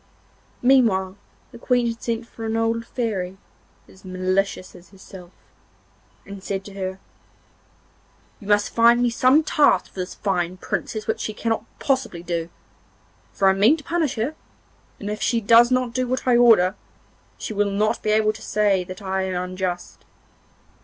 Meanwhile the Queen had sent for an old Fairy, as malicious as herself, and said to her: 'You must find me some task for this fine Princess which she cannot possibly do, for I mean to punish her, and if she does not do what I order, she will not be able to say that I am unjust.